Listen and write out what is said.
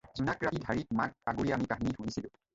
জোনাক ৰাতি ঢাৰিত মাক আগুৰি আমি কাহিনী শুনিছিলোঁ।